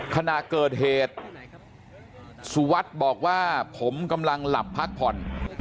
ขณะเกิดเหตุสุวัสดิ์บอกว่าผมกำลังหลับพักผ่อน